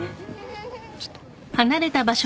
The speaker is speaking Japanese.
ちょっと。